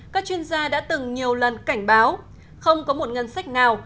các chuyên gia đã từng nhiều lần cảnh báo không có một ngân sách nào